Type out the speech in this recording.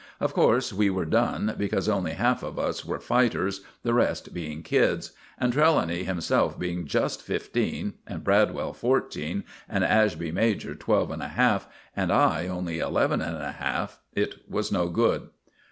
Of course, we were done, because only half of us were fighters, the rest being kids; and Trelawny himself being just fifteen and Bradwell fourteen and Ashby major twelve and a half, and I only eleven and a half, it was no good.